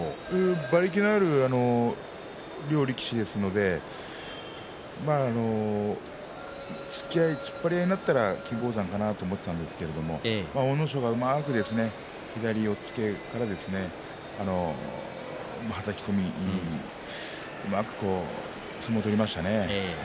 馬力のある両力士ですので突っ張り合いになったら金峰山かなと思ったんですが阿武咲がうまく左押っつけからはたき込みうまく相撲を取りましたね。